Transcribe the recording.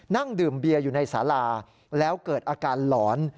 นั่งดื่มเบียอยู่ในสาราแล้วเกิดอาการหลอน